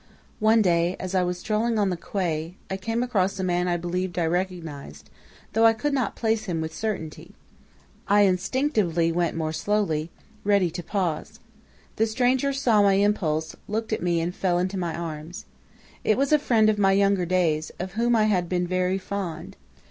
"One day, as I was strolling on the quay, I came across a man I believed I recognized, though I could not place him with certainty. I instinctively went more slowly, ready to pause. The stranger saw my impulse, looked at me, and fell into my arms. "It was a friend of my younger days, of whom I had been very fond.